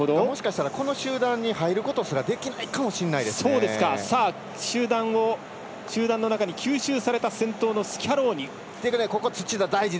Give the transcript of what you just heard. もしかしたらこの集団に入ることすら集団の中に吸収された先頭のスキャローニ。